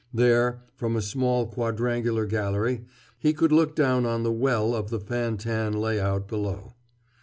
There, from a small quadrangular gallery, he could look down on the "well" of the fan tan lay out below.